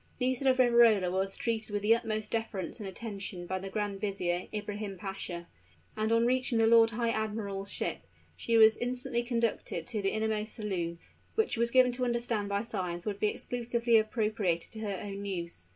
Nisida of Riverola was treated with the utmost deference and attention by the Grand Vizier, Ibrahim Pasha; and on reaching the lord high admiral's ship, she was instantly conducted to the innermost saloon, which she was given to understand by signs would be exclusively appropriated to her own use.